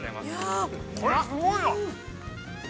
◆これすごいな。